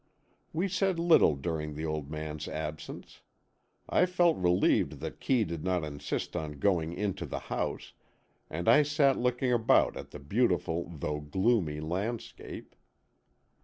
We said little during the old man's absence. I felt relieved that Kee did not insist on going into the house, and I sat looking about at the beautiful though gloomy landscape.